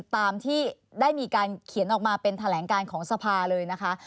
ตามที่ได้มีการเขียนออกมาเป็นแถลงการของสภาเลยนะคะ